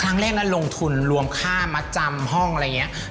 ครั้งแรกนั้นลงทุนรวมค่ามัดจำห้องอะไรอย่างนี้